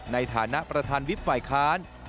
ในฐานะประธานวิทย์ฝ่ายค้าน